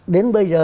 đến bây giờ